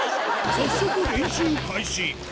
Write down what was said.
早速練習開始。